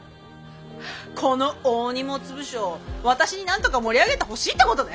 このお荷物部署を私になんとか盛り上げてほしいってことね？